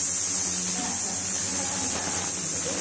熱々に温めただし汁です。